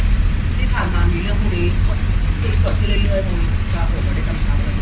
ด้วยผ่านมามีเรื่องพ่อนี้ที่สกัดขึ้นเรื่อยข้างใน